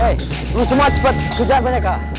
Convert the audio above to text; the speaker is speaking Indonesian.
hei mau semua cepet ke jalan mereka